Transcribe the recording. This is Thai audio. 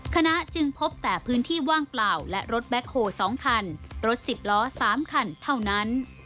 จึงพบแต่พื้นที่ว่างเปล่าและรถแคคโฮ๒คันรถ๑๐ล้อ๓คันเท่านั้น